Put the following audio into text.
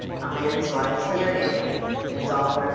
A man's life's dear to him. It's all very